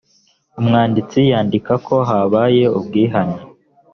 umwanditsi yandika ko habaye ubwihane